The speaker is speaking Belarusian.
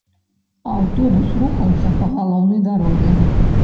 Аўтобус рухаўся па галоўнай дарозе.